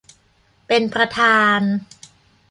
เป็นประธาน